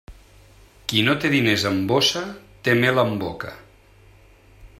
Qui no té diners en bossa té mel en boca.